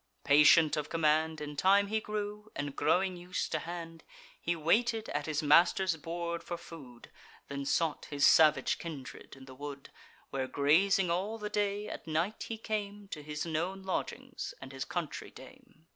Patient of command In time he grew, and, growing us'd to hand, He waited at his master's board for food; Then sought his salvage kindred in the wood, Where grazing all the day, at night he came To his known lodgings, and his country dame.